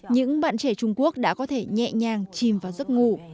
những bạn trẻ trung quốc đã có thể nhẹ nhàng chìm vào giấc ngủ